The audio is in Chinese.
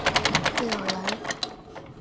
贝尔兰。